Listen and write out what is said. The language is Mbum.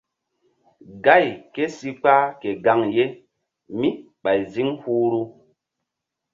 Gáy ké si kpah ke gaŋ mí ɓay ziŋ huhru.